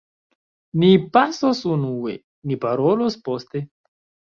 Ni pasos unue; ni parolos poste.